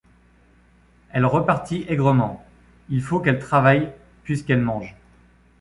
Elle repartit aigrement :— Il faut qu’elle travaille puisqu’elle mange.